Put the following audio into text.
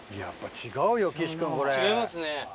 違いますね。